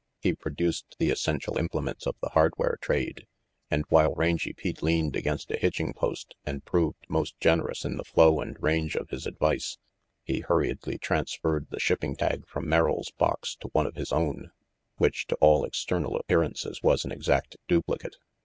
He produced the essential implements of the hardware trade and while Rangy Pete leaned against a hitching post and proved most generous in the flow and range of his advice, he hurriedly transferred the shipping tag from Merrill's box to one of his own, which, to all external appearances, was an exact duplicate.